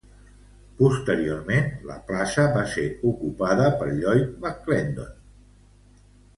Posteriorment, la plaça va ser ocupada per Lloyd McClendon.